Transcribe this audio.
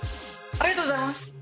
ありがとうございます！